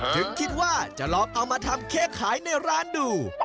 ถึงคิดว่าจะลองเอามาทำเค้กขายในร้านดู